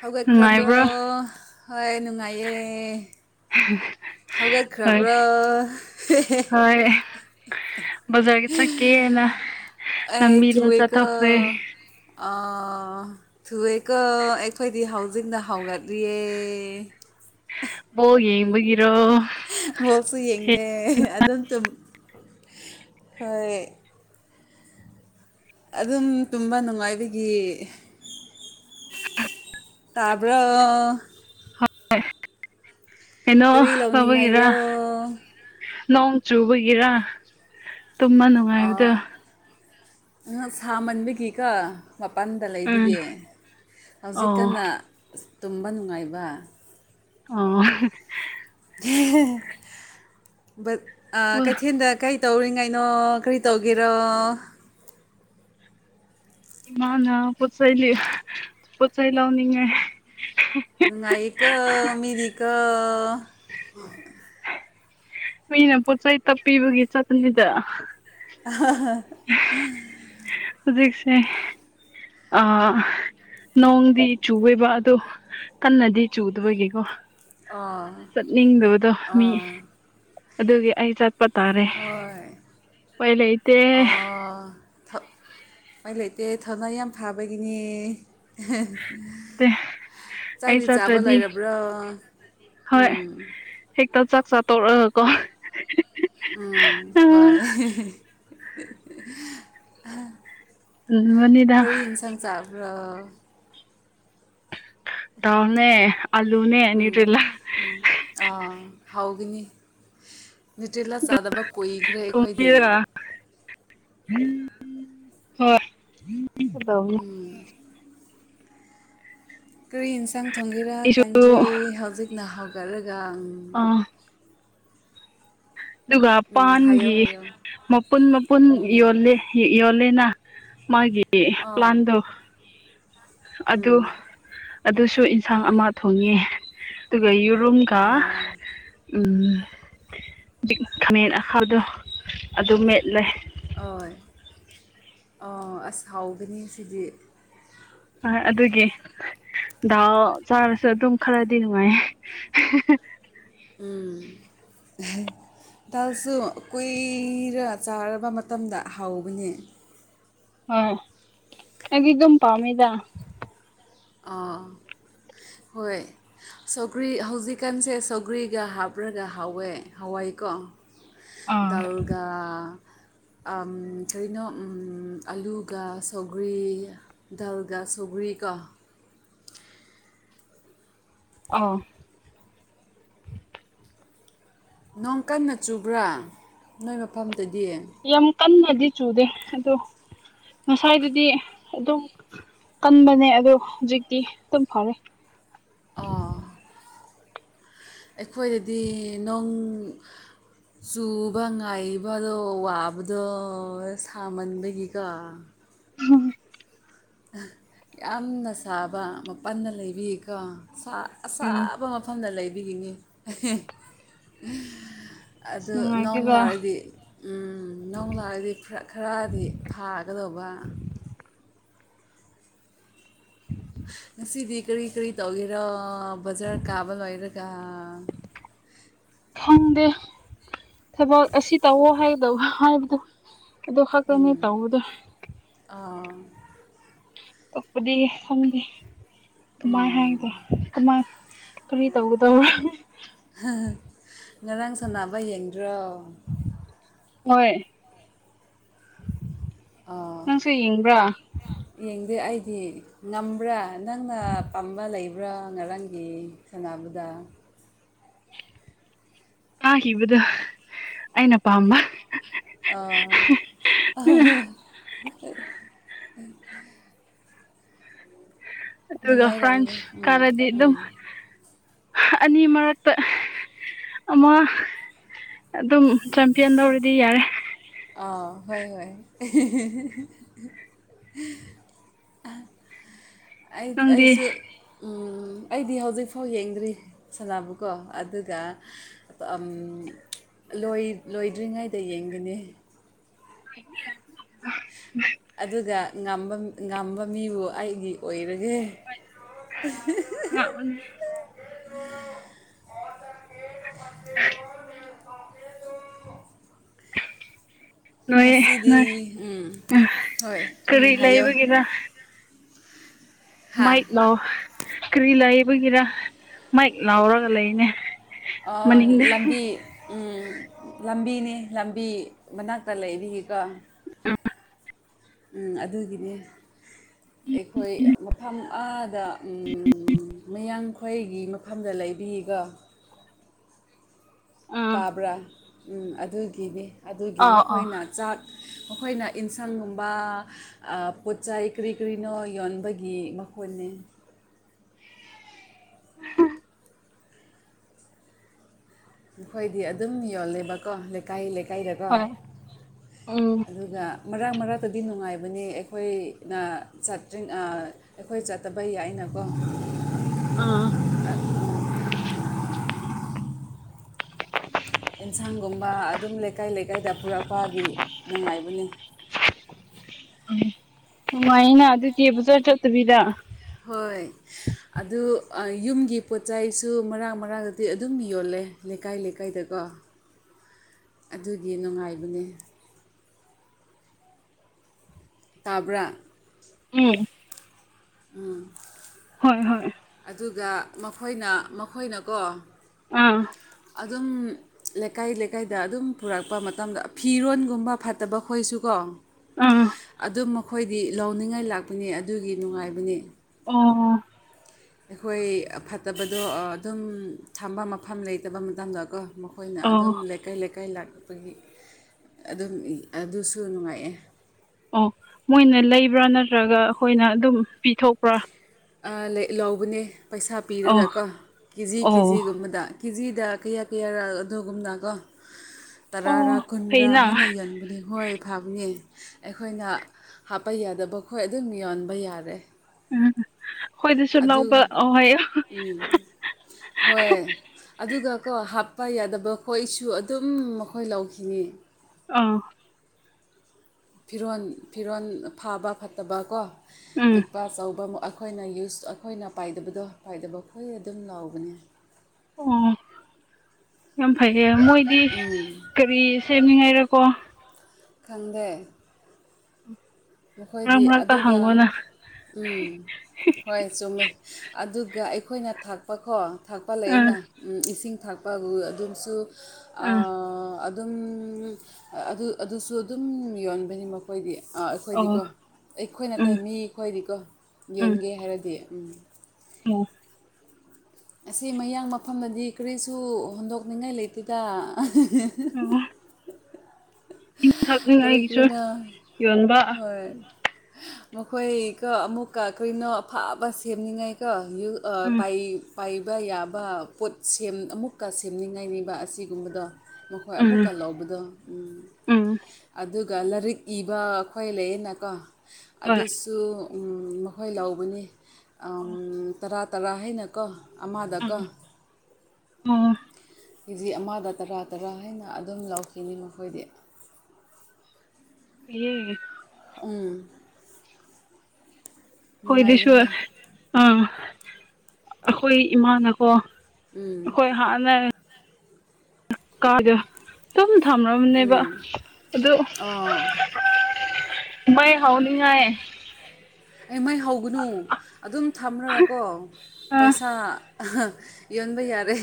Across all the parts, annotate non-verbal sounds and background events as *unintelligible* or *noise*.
ꯍꯧꯒꯠꯈ꯭ꯔꯕ꯭ꯔꯣ ꯅꯨꯡꯉꯥꯏꯕ꯭ꯔꯣ ꯍꯣꯏ ꯅꯨꯡꯉꯥꯏꯌꯦꯦ *unintelligible* ꯍꯣꯏ ꯍꯧꯒꯠꯈ꯭ꯔꯕ꯭ꯔꯣ ꯍꯦ ꯍꯦ ꯍꯣꯏ ꯕꯖꯥꯔꯒꯤ ꯆꯠꯀꯦꯅ ꯂꯝꯕꯤꯗ ꯆꯠꯊꯣꯛꯈ꯭ꯔꯦ ꯑꯣ ꯊꯨꯑꯦꯀ ꯑꯩꯈꯣꯏꯗꯤ ꯍꯧꯖꯤꯛꯅ ꯍꯧꯒꯠꯂꯤꯌꯦ ꯕꯣꯜ ꯌꯦꯡꯕꯒꯤꯔꯣ ꯕꯣꯜꯁꯨ ꯌꯦꯡꯗꯦ ꯑꯗꯨꯝ ꯇꯨꯝ ꯍꯣꯏ ꯑꯗꯨꯝ ꯇꯨꯝꯕ ꯅꯨꯡꯉꯥꯏꯕꯒꯤ ꯇꯥꯕ꯭ꯔꯣ ꯍꯣꯏ ꯀꯩꯅꯣ ꯀꯔꯤ ꯇꯧꯕꯒꯤꯔ ꯂꯧꯅꯤꯡꯉꯥꯏꯔꯣ ꯅꯣꯡ ꯆꯨꯕꯒꯤꯔꯥ ꯑ ꯁꯥꯃꯟꯕꯒꯤꯀꯣ ꯃꯄꯥꯟꯗ ꯎꯝ ꯂꯩꯕꯒꯤ ꯍꯧꯖꯤꯛ ꯑꯣ ꯀꯟꯅ ꯇꯨꯝꯕ ꯅꯨꯡꯉꯥꯏꯕ ꯑꯣ *unintelligible* ꯑꯣ ꯀꯩꯊꯦꯜꯗ ꯀꯩ ꯇꯧꯔꯤꯉꯩꯅꯣ ꯀꯔꯤ ꯇꯧꯒꯦꯔꯣ ꯏꯃꯥꯅ ꯄꯣꯠꯆꯩ ꯄꯣꯠ ꯆꯩꯩ ꯂꯧꯅꯤꯡꯉꯦ ꯅꯨꯡꯉꯥꯏꯌꯦꯀꯣ ꯃꯤꯗꯤ ꯀꯣ ꯃꯤꯅ ꯄꯣꯠꯆꯩ ꯇꯞꯄꯤꯕꯒꯤ ꯆꯠꯄꯅꯤꯗ *unintelligible* ꯍꯧꯖꯤꯛꯁꯦ ꯑꯥ ꯅꯣꯡꯗꯤ ꯆꯨꯋꯦꯕ ꯑꯗꯣ ꯀꯟꯅꯗꯤ ꯆꯨꯗꯕꯒꯤꯀꯣ ꯑ ꯆꯠꯅꯤꯡꯗꯕꯗꯣ ꯃꯤ ꯑꯗꯨꯒꯤ ꯑꯩ ꯆꯠꯄ ꯇꯥꯔꯦ ꯍꯣꯏ ꯎꯄꯥꯏ ꯂꯩꯇꯦ ꯑꯥ ꯊ ꯎꯄꯥꯏ ꯂꯩꯇꯦ ꯊꯧꯅꯥ ꯌꯥꯝ ꯐꯕꯒꯤꯅꯦ ꯇꯦ ꯑꯩ ꯆꯥꯛꯗꯤ ꯆꯥꯕ ꯆꯠꯇ꯭ꯔꯗꯤ ꯂꯣꯏꯔꯕ꯭ꯔꯣ ꯍꯣꯏ ꯎꯝ ꯍꯦꯛꯇ ꯆꯥꯛꯆꯥ ꯇꯣꯛꯔꯒꯀꯣ ꯎꯝ ꯍꯣꯏ *unintelligible* *unintelligible* ꯀꯔꯤ ꯌꯦꯟꯁꯥꯡ ꯆꯥꯕ꯭ꯔꯣ ꯗꯥꯜꯅꯦ ꯑꯂꯨꯅꯦ ꯎꯝ ꯅ꯭ꯌꯨꯇ꯭ꯔꯦꯂꯥ ꯎꯝ ꯑ ꯍꯥꯎꯒꯅꯤ ꯅ꯭ꯌꯨꯇ꯭ꯔꯦꯂꯥ ꯆꯥꯗꯕ ꯀꯨꯏꯈ꯭ꯔꯦ ꯑꯩꯈꯣꯏꯗꯤ ꯊꯣꯡꯕꯤꯔꯒ ꯍꯣꯏ ꯇꯧꯕꯅꯦ ꯎꯝ ꯀꯔꯤ ꯑꯦꯟꯁꯥꯡ ꯊꯣꯡꯒꯦꯔꯥ ꯑꯩꯁꯨ ꯈꯪꯗ꯭ꯔꯦ ꯍꯧꯖꯤꯛꯅ ꯍꯧꯒꯠꯂꯒ ꯎꯝ ꯑꯥ ꯑꯗꯨꯒ ꯎꯝ ꯍꯥꯏꯌꯣ ꯄꯥꯟꯒꯤ ꯍꯥꯏꯌꯣ ꯃꯄꯨꯟ ꯃꯄꯨꯟ ꯎꯝ ꯌꯣꯜꯂꯦ ꯌꯣꯜꯂꯦꯅ ꯃꯥꯒꯤ ꯑꯥꯎ ꯄ꯭ꯂꯥꯟꯗꯨ ꯎꯝ ꯑꯗꯨ ꯑꯗꯨꯁꯨ ꯏꯟꯁꯥꯡ ꯑꯃ ꯊꯣꯡꯉꯦ ꯑꯗꯨꯒ ꯌꯨꯔꯨꯝꯒ ꯑꯣ ꯎꯝ *unintelligible* ꯈꯥꯃꯦꯟ ꯑꯈꯥꯕꯗꯣ ꯑꯗꯨ ꯃꯦꯠꯂꯦ ꯑꯣꯏ ꯑ ꯑꯁ ꯍꯥꯎꯒꯅꯤ ꯑꯁꯤꯗꯤ ꯍꯣꯏ ꯑꯗꯨꯒꯤ ꯗꯥꯜ ꯆꯥꯔꯁꯨ ꯑꯗꯨꯝ ꯈꯔꯗꯤ ꯅꯨꯡꯉꯥꯏꯌꯦ꯫ ꯎꯝ ꯗꯥꯜꯁꯨ ꯀꯨꯏꯔ ꯆꯥꯔꯕ ꯃꯇꯝꯗ ꯍꯥꯎꯕꯅꯤ ꯑ ꯑꯩꯗꯤ ꯑꯗꯨꯝ ꯄꯥꯝꯃꯤꯗ ꯑꯥ *inaudible* ꯍꯣꯏ ꯁꯧꯒ꯭ꯔꯤ ꯍꯧꯖꯤꯛꯀꯥꯟꯁꯦ ꯁꯧꯒ꯭ꯔꯤꯒ ꯍꯥꯞꯔꯒ ꯍꯥꯎꯋꯦ ꯍꯋꯥꯏꯀꯣ ꯑꯥ ꯗꯜꯒꯥ ꯑꯝ ꯀꯔꯤꯅꯣ ꯎꯝ ꯑꯂꯨꯒ ꯁꯧꯒ꯭ꯔꯤ ꯗꯜꯒ ꯁꯨꯒ꯭ꯔꯤ ꯀꯥ ꯑꯩ ꯅꯣꯡ ꯀꯟꯅ ꯆꯨꯕ꯭ꯔꯥ ꯅꯣꯏ ꯃꯐꯝꯗꯗꯤ ꯌꯥꯝ ꯀꯟꯅꯗꯤ ꯆꯨꯗꯦ ꯑꯗꯣ ꯉꯁꯥꯏꯗꯨꯗꯤ ꯑꯗꯨꯝ ꯀꯟꯕꯅꯦ ꯑꯗꯣ ꯍꯧꯖꯤꯛꯇꯤ ꯑꯗꯨꯝ ꯐꯔꯦ ꯑ ꯑꯩꯈꯣꯏꯗꯗꯤ ꯅꯣꯡ ꯆꯨꯕ ꯉꯥꯏꯕꯗꯣ ꯋꯥꯕꯗꯣ ꯁꯥꯃꯟꯕꯒꯤꯀꯣ *unintelligible* ꯌꯥꯝꯅ ꯁꯥꯕ ꯃꯄꯥꯟꯗ ꯂꯩꯕꯒꯤꯀꯣ ꯁꯥ ꯎꯝ ꯑꯁꯥꯕ *unintelligible* ꯃꯐꯝꯗ ꯂꯩꯕꯤꯒꯤꯅꯤ ꯑꯗꯨ ꯅꯣꯡ ꯅꯨꯡꯉꯥꯏꯇꯦꯗ ꯂꯥꯔꯗꯤ ꯎꯝ ꯅꯣꯡ ꯂꯥꯛꯑꯗꯤ ꯐ꯭ꯔꯛ ꯈꯔꯥꯗꯤ ꯊꯥꯒꯗꯧꯕ *inaudible* ꯉꯁꯤꯗꯤ ꯀꯔꯤ ꯀꯔꯤ ꯇꯧꯒꯦꯔꯣ ꯕꯖꯥꯔ ꯀꯥꯕ ꯂꯣꯏꯔꯒ ꯈꯪꯗꯦ ꯊꯕꯛ ꯑꯁꯤ ꯇꯧꯋꯣ ꯍꯥꯏꯒꯗꯧ ꯍꯥꯏꯕꯗꯣ ꯑꯗꯨ ꯈꯛꯇꯅꯦ ꯎꯝ ꯇꯧꯕꯗꯣ ꯑꯥ ꯑꯥ ꯇꯣꯛꯄꯗꯤ ꯈꯪꯗꯦ ꯀꯃꯥꯏ ꯍꯥꯏꯗꯦ ꯀꯃꯥꯏ ꯀꯔꯤ ꯇꯧꯒꯗꯧꯔꯣ ꯉꯔꯥꯡ ꯁꯥꯟꯅꯕ ꯌꯦꯡꯗ꯭ꯔꯣ ꯍꯣꯏ ꯑꯥ ꯅꯪꯁꯨ ꯌꯦꯡꯕ꯭ꯔꯥ ꯌꯦꯡꯗꯦ ꯑꯩꯗꯤ ꯉꯝꯕ꯭ꯔꯥ ꯅꯪꯅ ꯄꯥꯝꯕ ꯂꯩꯕ ꯕ꯭ꯔꯣ ꯉꯔꯥꯡꯒꯤ ꯁꯥꯟꯅꯕꯗ ꯀꯥꯈꯤꯕꯗꯣ ꯑꯩꯅ ꯄꯥꯝꯕ ꯑ ꯑꯗꯨꯒ ꯐ꯭ꯔꯥꯟꯁ ꯅꯨꯡꯉꯥꯏꯔꯝꯅꯤ ꯎꯝ ꯈꯔꯗꯤ ꯑꯗꯨ ꯎꯝ ꯑꯅꯤ ꯃꯔꯛꯇ ꯑꯃ ꯑꯗꯨꯝ ꯆꯦꯝꯄꯤꯌꯟ ꯂꯧꯧꯔꯗꯤ ꯌꯥꯔꯦ ꯑꯥ ꯍꯣꯏ ꯍꯣꯏ ꯑꯩ ꯅꯪꯗꯤ ꯑꯩꯁꯨ ꯑꯩꯗꯤ ꯍꯧꯖꯤꯛ ꯐꯥꯎ ꯌꯦꯡꯗ꯭ꯔꯤ ꯁꯅꯥꯕꯨꯀꯣ ꯑꯗꯨꯒ ꯑꯣ ꯂꯣꯏꯗ꯭ꯔꯤꯉꯩꯗ ꯌꯦꯡꯒꯅꯤ *unintelligible* ꯑꯗꯨꯒ ꯉꯝꯕ ꯉꯝꯕ ꯃꯤꯕꯨ ꯑꯩꯒꯤ ꯑꯣꯏꯔꯒꯦ ꯑ ꯅꯣꯏꯌꯦ ꯉꯁꯤꯗꯤ ꯅꯣꯏ ꯎꯝ ꯑ ꯍꯣꯏ ꯎꯝ ꯀꯔꯤ ꯍꯥꯏꯌꯣ ꯂꯩꯕꯒꯤꯅ ꯍꯥ ꯃꯥꯏꯛ ꯂꯥꯎ ꯀꯔꯤ ꯂꯩꯕꯒꯤꯔ ꯃꯥꯏꯛ ꯂꯥꯎꯔꯒ ꯂꯩꯅꯦ ꯃꯅꯤꯡꯗ ꯂꯝꯕꯤ ꯎꯝ ꯂꯝꯕꯤꯅꯤ ꯂꯝꯕꯤ ꯃꯅꯥꯛꯇ ꯂꯩꯕꯤꯒꯀꯣ ꯑ ꯑꯗꯨꯒꯤꯅꯤ ꯑꯩꯈꯣꯏ ꯃꯐꯝ ꯑꯥꯗ ꯃꯌꯥꯡꯈꯣꯏꯒꯤ ꯃꯐꯝꯗ ꯂꯩꯕꯤꯒ ꯑꯥ ꯇꯥꯕ꯭ꯔꯥ ꯑꯗꯨꯒꯤꯅꯤ ꯑꯗꯨꯒꯤ ꯑꯥ ꯑꯥ ꯃꯈꯣꯏꯅ ꯆꯥꯛ ꯃꯈꯣꯏꯅ ꯏꯟꯁꯥꯡꯒꯨꯝꯕ ꯄꯣꯠꯆꯥꯏ ꯀꯔꯤ ꯀꯔꯤꯅꯣ ꯌꯣꯟꯕꯒꯤ ꯃꯈꯣꯟꯅꯤ ꯑ ꯑꯩꯈꯣꯏꯗꯤ ꯑꯗꯨꯝ ꯌꯣꯜꯂꯦꯕꯀꯣ ꯂꯩꯀꯥꯏ ꯂꯩꯀꯥꯏꯗꯀꯣ ꯍꯣꯏ ꯎꯝ ꯑꯗꯨ ꯑꯗ ꯃꯔꯛ ꯃꯔꯛꯇꯗꯤ ꯅꯨꯡꯉꯥꯏꯕꯅꯤ ꯑꯩꯈꯣꯏꯅ ꯆꯠꯇ꯭ꯔꯤ ꯑꯩꯈꯣꯏ ꯆꯠꯇꯕ ꯌꯥꯏꯅꯀꯣ ꯑꯥ *unintelligible* ꯑꯦꯟꯁꯥꯡꯒꯨꯝꯕ ꯑꯗꯨꯝ ꯂꯩꯀꯥꯏ ꯂꯩꯀꯥꯏꯗ ꯄꯨꯔꯛꯄꯒꯤ ꯅꯨꯡꯉꯥꯏꯕꯅꯤ ꯎ ꯑꯗꯨꯃꯥꯏꯅ ꯑꯗꯨꯗꯤ ꯕꯖꯥꯔ ꯆꯠꯇꯕꯤꯗ ꯍꯣꯏ ꯑꯗꯨ ꯌꯨꯝꯒꯤ ꯄꯣꯠꯆ ꯆꯩꯁꯨ ꯃꯔꯥꯡ ꯃꯔꯥꯡꯗꯗꯤ ꯑꯗꯨꯝ ꯌꯣꯜꯂꯦ ꯂꯩꯀꯥꯏ ꯂꯩꯀꯥꯏꯗꯀꯣ *unintelligible* ꯑꯗꯨꯒꯤ ꯅꯨꯡꯉꯥꯏꯕꯅꯦ ꯇꯥꯕ꯭ꯔꯥ ꯎꯝ ꯎꯝ ꯍꯣꯏ ꯍꯣꯏ ꯑꯗꯨꯒ ꯃꯈꯣꯏꯅ ꯃꯈꯣꯏꯅꯀꯣ ꯑꯥ ꯑꯗꯨꯝ ꯂꯩꯀꯥꯏ ꯂꯩꯀꯥꯏꯗ ꯑꯗꯨꯝ ꯄꯨꯔꯛꯄ ꯃꯇꯝꯗ ꯐꯤꯔꯣꯒꯨꯝꯕ ꯐꯠꯇꯕ ꯈꯣꯏꯁꯨꯀꯣ ꯑꯥ ꯑꯗꯨ ꯃꯈꯣꯏꯗꯤ ꯂꯥꯎꯅꯤꯡꯉꯥꯏ ꯂꯥꯛꯄꯅꯤ ꯑꯗꯨꯒꯤ ꯅꯨꯡꯉꯥꯏꯕꯅꯤ ꯑꯣ ꯑꯩꯈꯣꯏ ꯐꯠꯇꯕꯗꯣ ꯑꯗꯨꯝ ꯊꯝꯕ ꯃꯐꯝ ꯂꯩꯇꯕ ꯃꯇꯝꯗꯀꯣ ꯑꯩꯈꯣꯏꯅ ꯑꯣ ꯑꯗꯨꯝ ꯂꯩꯀꯥꯏ ꯂꯩꯀꯥꯏ ꯂꯥꯛꯄꯒꯤ ꯑꯗꯨꯝ ꯑꯗꯨꯁꯨ ꯅꯨꯡꯉꯥꯏꯑꯦ ꯑꯣ ꯃꯣꯏꯅ ꯂꯩꯕ꯭ꯔꯥ ꯅꯠꯇ꯭ꯔꯒ ꯑꯩꯈꯣꯏꯅ ꯑꯗꯨꯝ ꯄꯤꯊꯣꯛ ꯂꯧꯕꯅꯦ ꯄꯩꯁꯥ ꯑꯣ ꯄꯤꯔꯒꯀꯣ ꯀꯦ ꯖꯤ ꯀꯦ ꯑꯣ ꯖꯤꯒꯨꯝꯕꯗ ꯀꯦꯖꯤꯗ ꯀꯌꯥ ꯀꯌꯥ ꯑꯗꯨꯒꯨꯝꯅ ꯀꯣ ꯑꯣ ꯇꯔꯥꯔ ꯀꯨꯟꯔꯥ ꯐꯩꯅ ꯍꯥꯏꯅ ꯌꯟꯕꯅꯦ ꯍꯣꯏ ꯐꯕꯅꯤ ꯑꯩꯈꯣꯏꯅ ꯍꯥꯞꯄ ꯌꯥꯗꯕ ꯈꯣꯏ ꯑꯗꯨꯝ ꯌꯣꯟꯕ ꯌꯥꯔꯦ ꯎꯝ ꯑꯩꯈꯣꯏꯗꯁꯨ ꯑꯗꯨ ꯂꯧꯕ ꯑꯣ ꯍꯥꯏꯌꯣ ꯍꯣꯏ ꯑꯗꯨꯒ ꯀꯣ ꯍꯥꯞꯄ ꯌꯥꯗꯕ ꯈꯣꯏꯁꯨ ꯑꯗꯨꯝ ꯃꯈꯣꯏ ꯂꯧꯈꯤꯅꯤ ꯑꯥ ꯐꯤꯔꯣꯜ ꯐꯤꯔꯣꯜ ꯐꯥꯕ ꯐꯠꯇꯕ ꯀꯣ ꯎꯝ ꯂꯄꯥ ꯑꯆꯧꯕ ꯑꯩꯈꯣꯏꯅ ꯌꯨꯁ ꯑꯩꯈꯣꯏꯅ ꯄꯥꯏꯗꯕꯗꯣ ꯄꯥꯏꯗꯕ ꯑꯩꯈꯣꯏ ꯑꯗꯨꯝ ꯂꯥꯎꯕꯅꯦ ꯑꯣ ꯌꯥꯝ ꯐꯩꯌꯦ ꯃꯣꯏꯗꯤ ꯎꯝ ꯀꯔꯤ ꯁꯦꯝꯃꯤꯉꯥꯏꯔꯀꯣ ꯈꯪꯗꯦ ꯃꯔꯛ ꯃꯈꯣꯏꯗꯤ ꯃꯔꯛꯇ ꯑꯗꯨꯒ ꯍꯪꯉꯣꯅ ꯎꯝ ꯍꯣꯏ ꯆꯨꯝꯃꯦ ꯑꯗꯨꯒ ꯑꯩꯈꯣꯏꯅ ꯊꯥꯛꯄꯈꯣ ꯊꯥꯛꯄ ꯂꯩ ꯑꯥ ꯑꯅ ꯏꯁꯤꯡ ꯊꯥꯛꯄꯕꯨ ꯑꯗꯨꯝꯁꯨ ꯑꯥ ꯑꯗꯨꯝ ꯑꯗꯨ ꯑꯗꯨꯁꯨ ꯑꯗꯨꯝ ꯌꯣꯟꯕꯅꯤ ꯃꯈꯣꯏꯗꯤ ꯑꯩꯈꯣꯏꯗꯤꯀꯣ ꯑꯣ ꯑꯩꯈꯣꯏ ꯅꯠꯇꯦ ꯎꯝ ꯃꯤꯈꯣꯏꯗꯤꯀꯣ ꯎꯝ ꯌꯣꯟꯒꯦ ꯍꯥꯏꯔꯗꯤ ꯎꯝ ꯑꯣ ꯑꯁꯤ ꯃꯌꯥꯡ ꯃꯐꯝꯗꯗꯤ ꯀꯔꯤꯁꯨ ꯍꯣꯟꯗꯣꯛꯅꯤꯡꯉꯥꯏ ꯂꯩꯇꯦꯗ ꯎꯝ ꯀꯔꯤ ꯊꯛꯅꯤꯡꯉꯥꯏꯒꯤꯁꯨ ꯀꯔꯤꯅ ꯌꯣꯟꯕ ꯍꯣꯏ ꯃꯈꯣꯏꯒ ꯑꯃꯨꯛꯀ ꯀꯩꯅꯣ ꯑꯐꯕ ꯁꯦꯝꯅꯤꯡꯉꯥꯏ ꯀ ꯎꯝ ꯄꯥꯏ ꯄꯥꯏꯕ ꯌꯥꯕ ꯄꯣꯠ ꯑꯃꯨꯛꯀ ꯁꯦꯝꯅꯤꯡꯉꯥꯏꯅꯤꯕ ꯑꯁꯤꯒꯨꯝꯕꯗꯣ ꯃꯈꯣꯏ ꯎꯝ ꯑꯃꯨꯛꯀ ꯂꯧꯕꯗꯣ ꯎꯝ ꯎꯝ ꯑꯗꯨꯒ ꯂꯥꯏꯔꯤꯛ ꯏꯕ ꯈꯈꯣꯏ ꯂꯩꯌꯦꯅꯀꯣ ꯍꯣꯏ ꯑꯗꯨꯁꯨ ꯃꯈꯣꯏ ꯂꯧꯕꯅꯤ ꯑꯣ ꯇꯔꯥ ꯇꯔꯥ ꯍꯥꯏꯩꯅꯀꯣ ꯑꯃꯥꯗꯀꯣ ꯎꯝ ꯑꯣ ꯀꯦꯖꯤ ꯑꯃꯗ ꯇꯔꯥ ꯇꯔꯥ ꯍꯥꯏꯅ ꯑꯗꯨꯝ ꯂꯧꯈꯤꯅꯤ ꯃꯈꯣꯏꯗꯤ ꯍꯦ *unintelligible* ꯎꯝ ꯑꯩꯈꯣꯏꯗꯁꯨ ꯅꯨꯡꯉꯥꯏꯕꯅꯦ ꯑꯝ ꯑꯩꯈꯣꯏ ꯏꯃꯥꯅꯀꯣ ꯎꯝ ꯍꯈꯣꯏ ꯍꯥꯟ ꯅ ꯀꯗ ꯑꯗꯨꯝ ꯊꯝꯔꯕꯅꯦꯕ ꯑꯗꯨ ꯑꯣ ꯃꯩ ꯍꯧꯅꯤꯉꯥꯏ ꯑꯦ ꯃꯩ ꯍꯧꯒꯅꯨ ꯑꯗꯨꯝ ꯊꯝꯔꯒꯀꯣ ꯑꯥ ꯄꯩꯁꯥ ꯌꯣꯟꯕ ꯌꯥꯔꯦ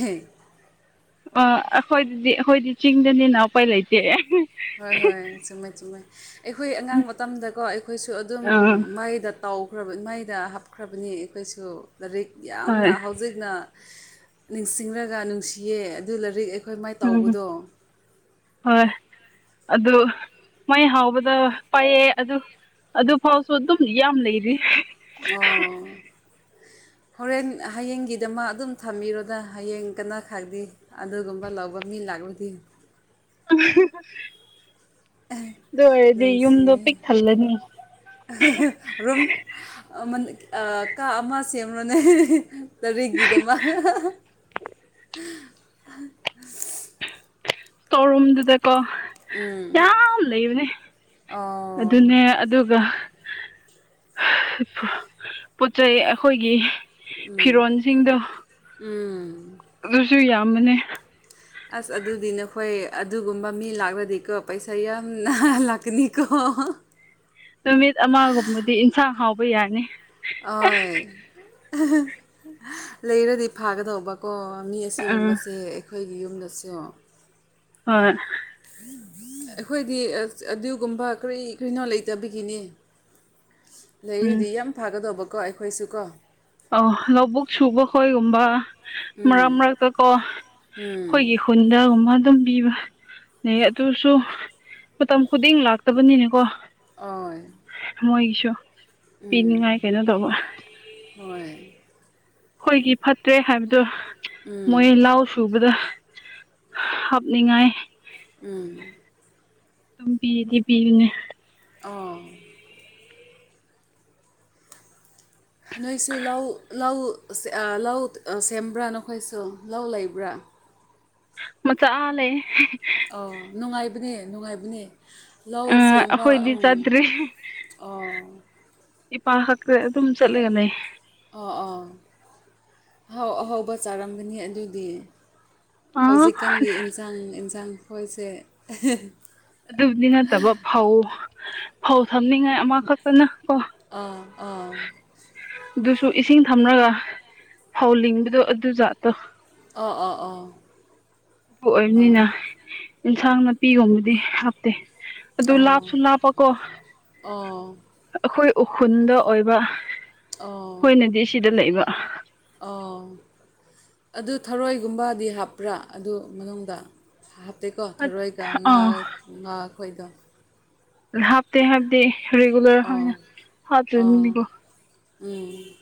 ꯑ ꯑꯩꯈꯣꯏꯗꯗꯤ ꯑꯩꯈꯣꯏꯗꯤ ꯆꯤꯡꯗꯅꯤꯅ ꯎꯄꯥꯏ ꯂꯩꯇꯦ꯫ ꯍꯣꯏ ꯍꯣꯏ ꯆꯨꯝꯃꯦ ꯆꯨꯝꯃꯦ ꯑꯩꯈꯣꯏ ꯑꯉꯥꯡ ꯃꯇꯝꯗꯀꯣ ꯑꯩꯈꯣꯏ ꯑꯩꯈꯣꯏꯁꯨ ꯑꯗꯨꯝ ꯑꯥ ꯃꯩꯗ ꯇꯥꯎꯈ꯭ꯔꯕ ꯃꯩꯗ ꯍꯥꯞꯈ꯭ꯔꯕꯅꯤ ꯑꯩꯈꯣꯏꯁꯨ ꯂꯥꯏꯔꯤꯛ ꯌꯥꯝꯅ ꯍꯣꯏ ꯍꯧꯖꯤꯛꯅ ꯅꯤꯡꯁꯤꯡꯔꯒ ꯅꯨꯡꯁꯤꯌꯦ ꯑꯗꯨ ꯂꯥꯏꯔꯤꯛ ꯑꯩꯈꯣꯏ ꯃꯥꯏ ꯎꯝ ꯇꯥꯎꯕꯗꯣ ꯍꯣꯏ ꯑꯗꯨ ꯃꯩ ꯍꯥꯎꯕꯗ ꯄꯥꯏꯑꯦ ꯑꯗꯨ ꯑꯗꯨꯐꯥꯎꯁꯨ ꯑꯗꯨꯝ ꯌꯥꯝ ꯂꯩꯔꯤ ꯑꯣ ꯍꯣꯔꯦꯟ ꯍꯌꯦꯡꯒꯤꯗꯃꯥ ꯑꯗꯨꯝ ꯊꯝꯕꯤꯔꯣꯅ ꯍꯌꯦꯡ ꯀꯅꯥ ꯈꯥꯛꯗꯤ ꯑꯗꯨꯒꯨꯝꯕ ꯂꯧꯕ ꯃꯤ ꯂꯥꯛꯂꯗꯤ ꯑꯗꯨ ꯑꯣꯏꯔꯗꯤ ꯌꯨꯝꯗꯣ ꯅꯨꯡꯁꯤꯌꯦ ꯄꯤꯛ ꯊꯜꯂꯅꯤ ꯔꯨꯝ ꯀꯥ ꯑꯃ ꯁꯦꯝꯔꯣꯅꯦ ꯇꯔꯤꯒꯤꯗ ꯃꯥ ꯇꯧꯔꯨꯝꯗꯨꯗꯀꯣ ꯎꯝ ꯌꯥꯝ ꯂꯩꯕꯅꯦ ꯑꯣ ꯑꯗꯨꯅꯦ ꯑꯗꯨꯒ ꯄꯣꯠ ꯆꯩ ꯑꯩꯈꯣꯏꯒꯤ ꯐꯤꯔꯣꯟꯁꯤꯡꯗꯣ ꯎꯝ ꯑꯗꯨꯁꯨ ꯌꯥꯝꯕꯅꯦ ꯑꯁ ꯑꯗꯨꯗꯤ ꯅꯈꯣꯏ ꯑꯗꯨꯒꯨꯝꯕ ꯃꯤ ꯂꯥꯛꯂꯗꯤꯀꯣ ꯄꯩꯁꯥ ꯌꯥꯝꯅ ꯂꯥꯛꯀꯅꯤꯀꯣ ꯅꯨꯃꯤꯠ ꯑꯃꯒꯨꯝꯕꯗꯤ ꯏꯟꯁꯥꯡ ꯍꯥꯎꯕ ꯌꯥꯅꯤ ꯑꯣꯏ ꯂꯩꯔꯗꯤ ꯐꯥꯒꯗꯧꯕ ꯀꯣ ꯃꯤ ꯑꯥ ꯑꯁꯤꯒꯨꯝꯕꯁꯦ ꯑꯩꯈꯣꯏꯒꯤ ꯌꯨꯝꯗꯁꯨ ꯍꯣꯏ ꯑꯩꯈꯣꯏꯗꯤ ꯑꯗꯨꯒꯨꯝꯕ ꯀꯔꯤ ꯀꯔꯤꯅꯣ ꯂꯩꯇꯕꯒꯤꯅꯤ ꯎꯝ ꯂꯩꯔꯤꯗꯤ ꯌꯥꯝ ꯐꯥꯒꯗꯧꯕꯀꯣ ꯑꯩꯈꯣꯏꯁꯨ ꯀꯣ ꯑ ꯂꯧꯕꯨꯛ ꯁꯨꯕ ꯈꯣꯏꯒꯨꯝꯕ ꯎꯝ ꯃꯔꯛ ꯃꯔꯛꯇ ꯀꯣ ꯎꯝ ꯑꯩꯈꯣꯏꯒꯤ ꯀꯨꯟꯗꯒꯨꯝꯕ ꯑꯗꯨꯝ ꯄꯤꯕ ꯑ ꯑꯗꯨꯁꯨ ꯃꯇꯝ ꯈꯨꯗꯤꯡ ꯂꯥꯛꯇꯕꯅꯤꯅꯦꯀꯣ꯫ ꯑꯣ ꯃꯣꯏꯒꯤꯁꯨ ꯄꯤꯅꯤꯡꯉꯥꯏ ꯀꯩꯅꯣ ꯇꯧꯕ꯫ ꯍꯣꯏ ꯑꯩꯈꯣꯏꯒꯤ ꯐꯠꯇ꯭ꯔꯦ ꯍꯥꯏꯕꯗꯣ ꯃꯣꯏ ꯎꯝ ꯂꯥꯎ ꯁꯨꯕꯗ, ꯍꯥꯞꯅꯤꯡꯉꯥꯏ ꯎꯝ ꯑꯗꯨꯝ ꯄꯤꯗꯤ ꯄꯤꯒꯅꯤ꯫ ꯑꯣ ꯅꯣꯏꯁꯨ ꯂꯧ ꯂꯧ ꯂꯧ ꯁꯦꯝꯕ꯭ꯔꯥ ꯅꯈꯣꯏꯁꯨ ꯂꯧ ꯂꯩꯕ꯭ꯔꯥ ꯃꯆꯥ ꯂꯩꯌꯦ꯫ ꯑꯣ ꯅꯨꯡꯉꯥꯏꯕꯅꯦ ꯅꯨꯡꯉꯥꯏꯕꯅꯦ꯫ ꯂꯧ ꯁꯦꯝꯕ ꯑꯩꯈꯣꯏꯗꯤ ꯎꯝ ꯆꯥꯗ꯭ꯔꯤ ꯑꯥ ꯏꯄꯥ ꯈꯛꯇ ꯑꯗꯨꯝ ꯆꯠꯂꯒꯅꯦ꯫ ꯑꯣ ꯑꯥ ꯑꯍꯥꯎ ꯑꯍꯥꯎꯧꯕ ꯆꯥꯔꯝꯒꯅꯤ ꯑꯗꯨꯗꯤ꯫ ꯑꯥ ꯍꯧꯖꯤꯛꯀꯥꯟꯒꯤ ꯏꯟꯁꯥꯡ ꯌꯦꯟꯁꯥꯡ ꯈꯣꯏꯁꯦ꯫ ꯑꯗꯨꯕꯨꯗꯤ ꯅꯠꯇꯕ ꯐꯧ ꯐꯧ ꯊꯝꯅꯤꯡꯉꯥꯏ ꯑꯃꯈꯛꯇꯅ ꯀꯣ꯫ ꯑꯥ ꯑꯥ꯫ ꯑꯗꯨꯁꯨ ꯏꯁꯤꯡ ꯊꯝꯂꯒ ꯐꯧ ꯂꯤꯕꯗꯣ ꯑꯗꯨꯖꯥꯠꯇꯣ꯫ ꯑꯣ ꯑꯣ ꯑꯣ꯫ ꯑꯗꯨ ꯑꯣ ꯑꯣꯏꯕꯅꯤꯅ ꯑꯦꯟꯁꯥꯡ ꯅꯥꯄꯤꯒꯨꯝꯕꯗꯤ ꯍꯥꯞꯇꯦ꯫ ꯑꯗꯨ ꯂꯥꯞꯁꯨ ꯂꯥꯞꯄꯀꯣ꫰꫰ ꯑꯣ ꯑꯣ ꯑꯩꯈꯣꯏ ꯎꯈ꯭ꯔꯨꯜꯗ ꯑꯣꯏꯕ ꯑꯣ ꯑꯩꯈꯣꯏꯅꯗꯤ ꯑꯁꯤꯗ ꯂꯩꯕ꯫ ꯑꯣ ꯑꯗꯨ ꯊꯔꯣꯏꯒꯨꯝꯕꯗꯤ ꯍꯥꯞꯄ꯭ꯔꯥ ꯑꯗꯨ ꯃꯅꯨꯡꯗ꯫ ꯍꯥꯞꯇꯦꯀꯣ ꯊꯔꯣꯏꯒ ꯉꯥ ꯑꯥ ꯉꯥꯈꯣꯏꯒ꯫ ꯍꯥꯞꯇꯦ ꯍꯥꯏꯕꯗꯤ ꯔꯤꯒꯨꯂꯔ ꯑꯣꯏꯅ ꯑꯥ ꯑꯥ ꯍꯥꯞꯇꯣꯏꯅꯤꯅꯀꯣ꯫ ꯎꯝ꯫